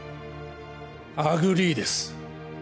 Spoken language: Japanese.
アグリーです。